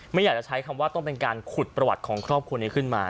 ไม่อยากจะใช้คำว่าต้องเป็นการขุดประวัติของครอบครัวนี้ขึ้นมา